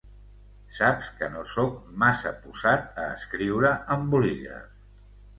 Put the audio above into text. Saps que no sóc massa posat a escriure amb bolígraf.